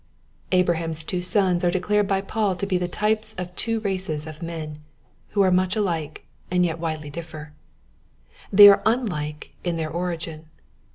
Abraham's two sons are declared by Paul to be the types of two races of men, who are much alike, and yet widely differ. They are unlike in their origin.